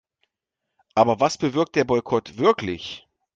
Aber was bewirkt der Boykott wirklich?